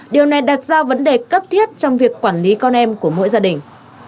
điều này đặt ra vấn đề cấp thiết trong việc quản lý con em của mỗi gia đình